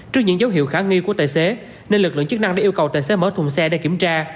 trước những dấu hiệu khả nghi của tài xế nên lực lượng chức năng đã yêu cầu tài xế mở thùng xe để kiểm tra